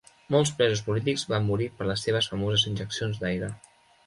Molts presos polítics van morir per les seves famoses injeccions d'aire.